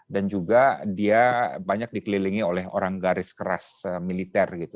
dan juga dia banyak dikelilingi oleh orang garis keras militer